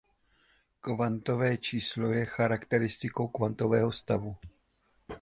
Kvantové číslo je charakteristikou kvantového stavu.